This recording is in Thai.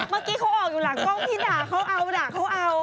เมื่อกี้เขาออกอยู่หลังกล้อง